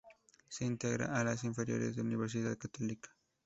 Se integra a las inferiores de la Universidad Católica.